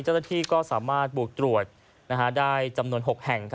เจ้าหน้าที่ก็สามารถบุกตรวจได้จำนวน๖แห่ง